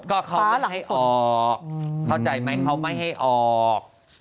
ก็เขาก็ให้ออกเข้าใจไหมเขาไม่ให้ออก